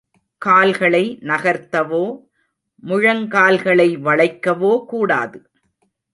கால்களை நகர்த்தவோ, முழங்கால்களை வளைக்கவோ கூடாது.